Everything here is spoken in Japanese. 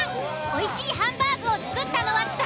おいしいハンバーグを作ったのは誰？